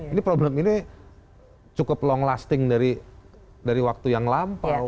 ini problem ini cukup long lasting dari waktu yang lampau